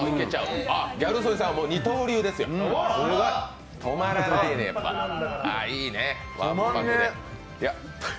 ギャル曽根さんは二刀流ですよ、止まらない、いいね、わんぱくで。